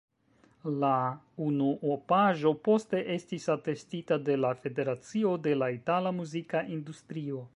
La unuopaĵo poste estis atestita de la Federacio de la Itala Muzika Industrio.